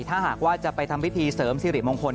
ถ้าหากว่าจะไปทำพิธีเสริมสิริมงคล